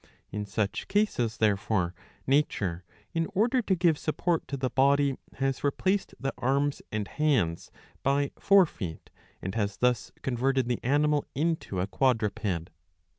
In such cases therefore nature, in order to give support to the body, has replaced the arms and hands by fore feet, and has thus converted the animal into a quadruped.